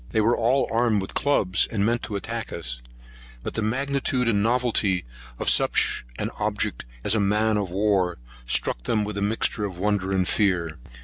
They were all armed with clubs, and meant to attack us; but the magnitude and novelty of such an object as a man of war, struck them with a mixture of wonder and fear.